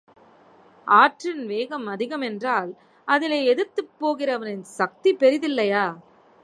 ஆற்றின் வேகம் அதிகம் என்றால், அதிலே எதிர்த்துப் போகிறவனின் சக்தி பெரிதில்லையா?